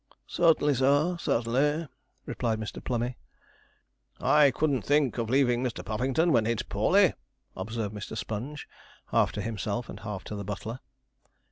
'Certainly, sir, certainly,' replied Mr. Plummey. 'I couldn't think of leaving Mr. Puffington when he's poorly,' observed Mr. Sponge, half to himself and half to the butler.